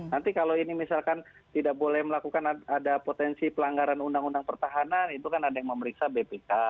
nanti kalau ini misalkan tidak boleh melakukan ada potensi pelanggaran undang undang pertahanan itu kan ada yang memeriksa bpk